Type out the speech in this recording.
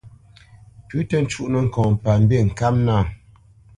Pʉ̌ tǝ́ cúnǝ́ ŋkɔŋ pa mbîŋkâp nâ.